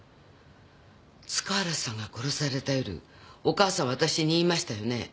塚原さんが殺された夜おかあさん私に言いましたよね？